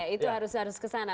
itu harus kesana